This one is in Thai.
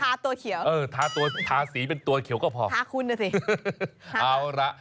ตัวเขียวเออทาตัวทาสีเป็นตัวเขียวก็พอทาคุณน่ะสิเอาล่ะ